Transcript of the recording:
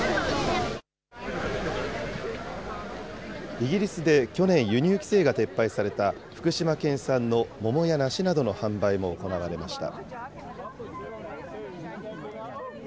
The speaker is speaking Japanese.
イギリスで去年輸入規制が撤廃された福島県産の桃や梨などの販売も行われました。